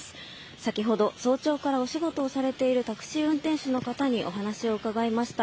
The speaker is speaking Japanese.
先ほど、早朝からお仕事をされているタクシー運転手の方にお話を伺いました。